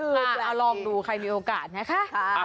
เอาลองดูใครมีโอกาสนะคะ